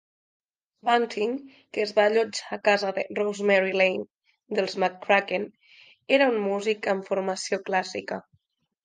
Bunting, que es va allotjar a casa de Rosemary Lane dels McCracken, era un músic amb formació clàssica.